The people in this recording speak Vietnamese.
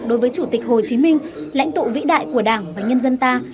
đối với chủ tịch hồ chí minh lãnh tụ vĩ đại của đảng và nhân dân ta